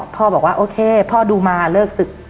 พ่อบอกว่าโอเคพ่อดูมาเลิกศึก